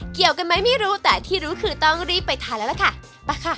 เกี่ยวกันไหมไม่รู้แต่ที่รู้คือต้องรีบไปทานแล้วล่ะค่ะไปค่ะ